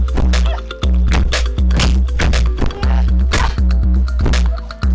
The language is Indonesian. pemirsa gak apa apa